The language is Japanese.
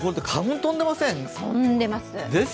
飛んでます。